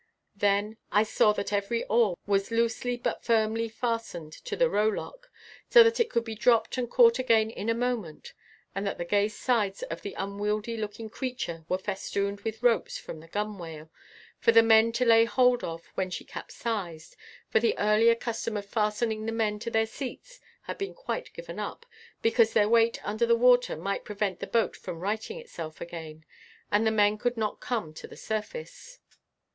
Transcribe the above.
Then I saw that every oar was loosely but firmly fastened to the rowlock, so that it could be dropped and caught again in a moment; and that the gay sides of the unwieldy looking creature were festooned with ropes from the gunwale, for the men to lay hold of when she capsized, for the earlier custom of fastening the men to their seats had been quite given up, because their weight under the water might prevent the boat from righting itself again, and the men could not come to the surface.